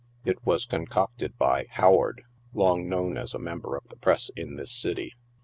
It was concocted by " Howard," long known a3 a member of the Press in this city.